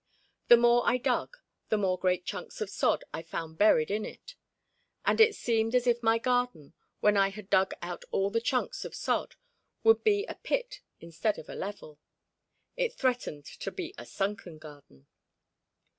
The more I dug, the more great chunks of sod I found buried in it, and it seemed as if my garden, when I had dug out all the chunks of sod, would be a pit instead of a level. It threatened to be a sunken garden.